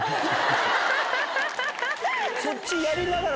そっちやりながら。